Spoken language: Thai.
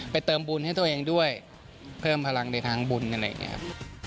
เติมบุญให้ตัวเองด้วยเพิ่มพลังในทางบุญอะไรอย่างนี้ครับ